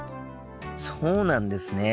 そうなんですね。